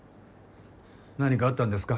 何かあったんですか？